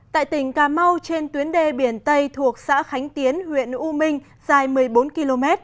tại tỉnh cà mau trên tuyến đê biển tây thuộc xã khánh tiến huyện u minh dài một mươi bốn km